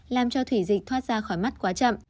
làm cho thủy dịch thoát ra khỏi mắt quá chậm